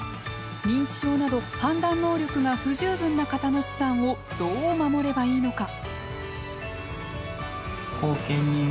認知症など判断能力が不十分な方の資産をどう守ればいいのか。